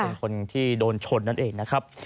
เป็นคนที่โดนชนนั่นเองนะครับ